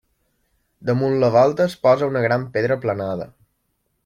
Damunt la volta es posa una gran pedra aplanada.